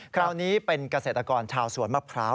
คราวนี้เป็นเกษตรกรชาวสวนมะพร้าว